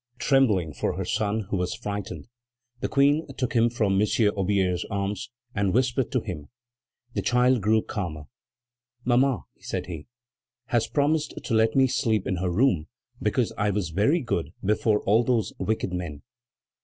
Trembling for her son, who was frightened, the Queen took him from M. Aubier's arms and whispered to him. The child grew calmer. "Mamma," said he, "has promised to let me sleep in her room because I was very good before all those wicked men."